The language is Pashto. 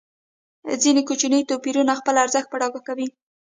ځینې کوچني توپیرونه خپل ارزښت په ډاګه کوي.